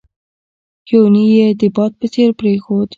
هیوني یې د باد په څېر پرېښود.